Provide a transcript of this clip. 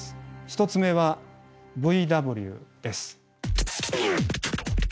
１つ目はＶＷです。